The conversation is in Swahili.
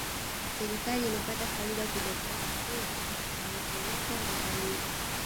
serikali inapata faida kutokana na fedha wanazolipwa watalii